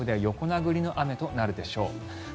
沿岸部では横殴りの雨となるでしょう。